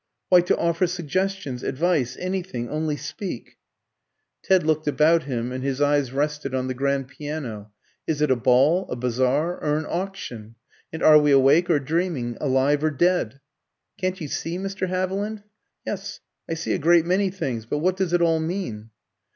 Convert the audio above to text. "Why, to offer suggestions, advice, anything only speak." Ted looked about him, and his eyes rested on the grand piano. "Is it a ball, a bazaar, or an auction? And are we awake or dreaming, alive or dead?" "Can't you see, Mr. Haviland?" "Yes, I see a great many things. But what does it all mean?"